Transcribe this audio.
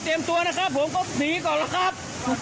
ตัวนะครับผมก็หนีก่อนแล้วครับ